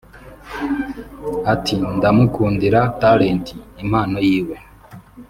Ati “ Ndamukundira Talent (impano)yiwe